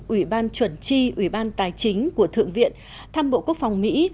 ủy ban chuẩn tri ủy ban tài chính của thượng viện thăm bộ quốc phòng mỹ